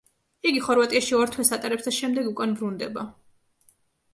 იგი ხორვატიაში ორ თვეს ატარებს და შემდეგ უკან ბრუნდება.